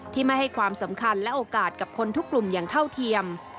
ไม่ให้ความสำคัญและโอกาสกับคนทุกกลุ่มอย่างเท่าเทียม